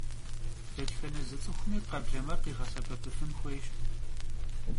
Detxene zı ts'ıxumi kheblemer khiğesebepıfın xuêyş.